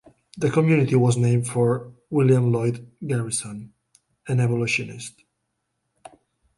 The community was named for William Lloyd Garrison, an abolitionist.